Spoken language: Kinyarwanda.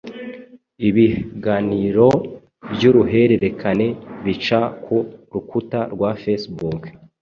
ibihganiro by’uruhererekane bica ku rukuta rwa Facebook